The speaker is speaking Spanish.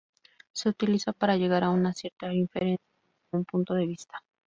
Se utiliza para llegar a una cierta inferencia desde un punto de vista.